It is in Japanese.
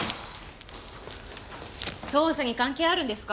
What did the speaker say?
捜査に関係あるんですか？